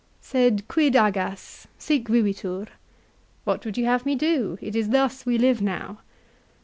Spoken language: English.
" Sed quid agas ? Sic vivitur !" L " What would you have me do ? It is thus we live now."